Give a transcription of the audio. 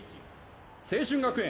青春学園